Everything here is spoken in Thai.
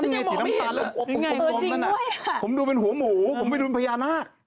ฉันยังบอกไม่เห็นเลยเออจริงว่ะนั่นแหละผมดูเป็นหัวหมูผมไม่ดูเป็นพญานาค